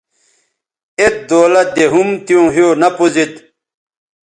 ایت دولت دے ھُم تیوں ھِیو نہ پوزید